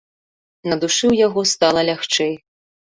На душы ў яго стала лягчэй.